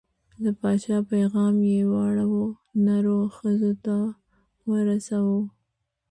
د پاچا پیغام یې واړو، نرو او ښځو ته ورساوه.